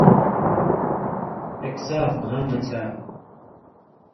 ایک صاف بھاں مہ چھا۔